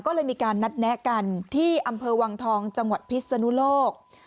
ก็เลยมีการนัดแนะกันที่อำเภอวังทองจังหวัดพิศนุโลก